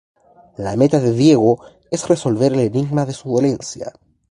La meta de Diego es resolver el enigma de su dolencia.